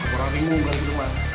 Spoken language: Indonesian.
orang nunggu berarti dung mbak